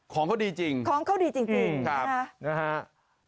ของเขาดีจริงนะฮะของเขาดีจริง